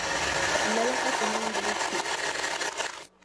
Lala ka ti niŋdili kpe.